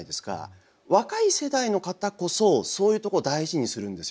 若い世代の方こそそういうとこを大事にするんですよね。